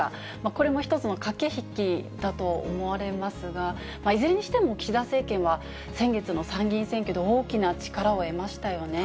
これも一つの駆け引きだと思われますが、いずれにしても岸田政権は、先月の参議院選挙で大きな力を得ましたよね。